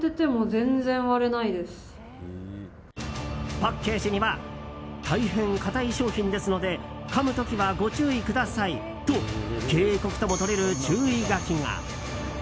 パッケージにはたいへんかたい商品ですのでかむ時はご注意くださいと警告ともとれる注意書きが。